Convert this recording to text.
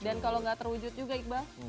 dan kalau gak terwujud juga iqbal